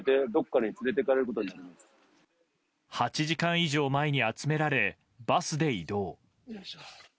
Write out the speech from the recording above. ８時間以上前に集められバスで移動。